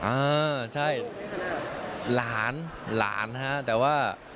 เออใช่หลานหลานฮะแต่ว่า